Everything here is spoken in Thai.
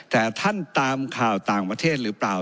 แต่ท่านตามข่าวต่างประเทศหรือเปล่า